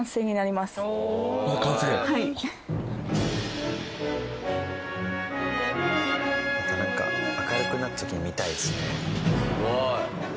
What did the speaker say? またなんか明るくなった時に見たいですね。